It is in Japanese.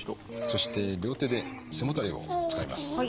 そして両手で背もたれをつかみます。